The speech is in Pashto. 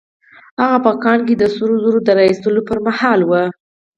هغه په کان کې د سرو زرو د را ايستلو پر مهال وه.